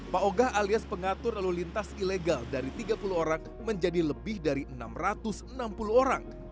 pak oga alias pengatur lalu lintas ilegal dari tiga puluh orang menjadi lebih dari enam ratus enam puluh orang